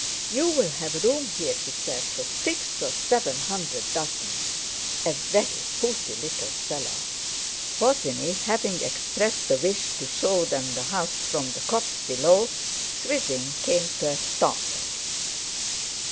"You'll have room here," he said, "for six or seven hundred dozen—a very pooty little cellar!" Bosinney having expressed the wish to show them the house from the copse below, Swithin came to a stop.